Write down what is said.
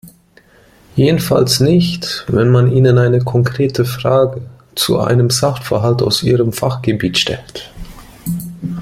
Jedenfalls nicht, wenn man ihnen eine konkrete Frage zu einem Sachverhalt aus ihrem Fachgebiet stellt.